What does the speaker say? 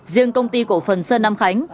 riêng công ty cổ phần sơn nam khánh